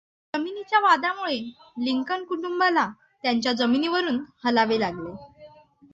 जमिनीच्या वादामुळे लिंकन कुटुंबाला त्यांच्या जमिनीवरून हलावे लागले.